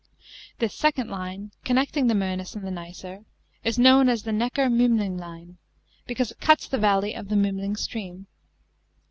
This second line, con necting the Mcenus and Nicer, is known as the Neckar Miimling line, because it cuts the valley of the Miiraling stream.